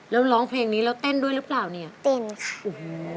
แล้วร้องเพลงนี้แล้วเต้นด้วยหรือเปล่าเนี่ยเก่งค่ะโอ้โห